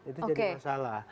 itu jadi masalah